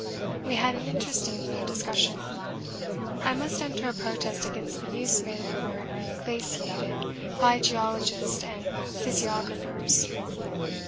We had an interesting little discussion. I must enter a protest against the use made of the word 'glaciated' by Geologists and Physiographers.